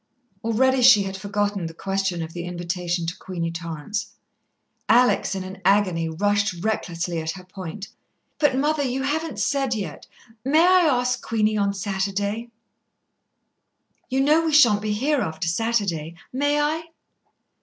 Already she had forgotten the question of the invitation to Queenie Torrance. Alex, in an agony, rushed recklessly at her point. "But, mother, you haven't said yet may I ask Queenie on Saturday? You know we shan't be here after Saturday. May I?"